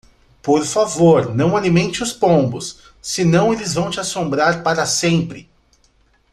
Por favor, não alimente os pombos, senão eles vão te assombrar para sempre!